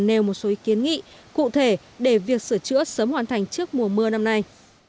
nêu một số ý kiến nghị cụ thể để việc sửa chữa sớm hoàn thành trước mùa mưa năm nay